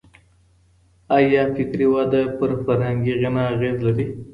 آيا فکري وده پر فرهنګي غنا اغېز لري؟